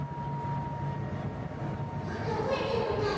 どんどん増えてるみたい。